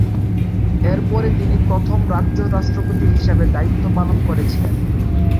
এর পরে তিনি প্রথম রাজ্য রাষ্ট্রপতি হিসাবে দায়িত্ব পালন করেছিলেন।